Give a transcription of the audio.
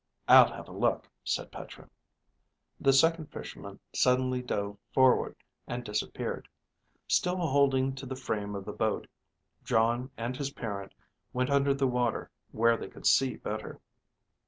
(I'll have a look, said Petra.) The Second Fisherman suddenly dove forward and disappeared. Still holding to the frame of the boat, Jon and his parent went under the water where they could see better.